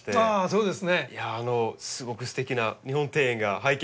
そうですね。